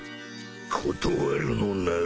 断るのなら